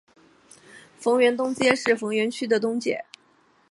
逢源东街是逢源区的东界。